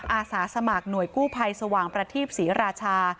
อาสาสมัครหน่วยกู้ภัยสว่างประทีปศรีราชา